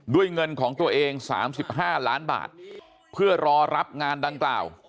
ด้วยเงินของตัวเองสามสิบห้าล้านบาทเพื่อรอรับงานดังเกล่า